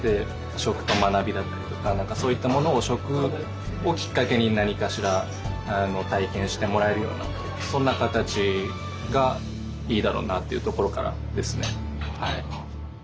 食と学びだったりとか何かそういったものを食をきっかけに何かしら体験してもらえるようなそんな形がいいだろうなというところからですね。